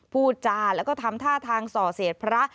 พูดจาแล้วก็ทำท่าทางส่อเสียดพระ